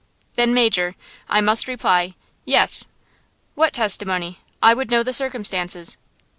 "Then, Major, I must reply–yes." "What testimony? I would know the circumstances?"